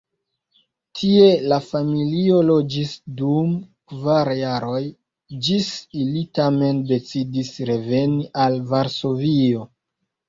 Tie la familio loĝis dum kvar jaroj, ĝis ili tamen decidis reveni al Varsovio.